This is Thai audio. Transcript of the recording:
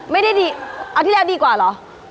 ไม่ได้ดีเอาที่แล้วดีกว่าเหรอ